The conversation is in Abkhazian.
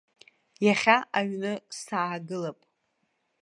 Иахьа аҩны саагылап.